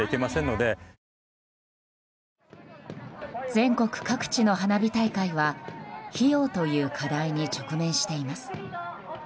全国各地の花火大会は費用という課題に直面しています。